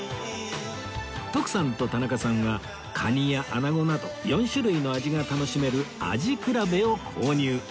徳さんと田中さんは蟹や穴子など４種類の味が楽しめる味くらべを購入